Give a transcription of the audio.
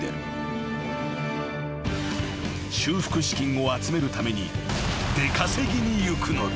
［修復資金を集めるために出稼ぎに行くのだ］